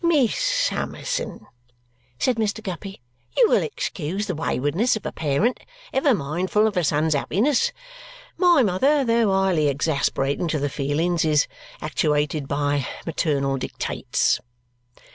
"Miss Summerson," said Mr. Guppy, "you will excuse the waywardness of a parent ever mindful of a son's appiness. My mother, though highly exasperating to the feelings, is actuated by maternal dictates."